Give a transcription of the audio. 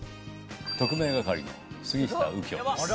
特命係の杉下右京です。